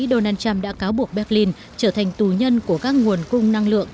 trước đó tổng thống mỹ donald trump đã cáo buộc berlin trở thành tù nhân của các nguồn cung năng lượng từ nga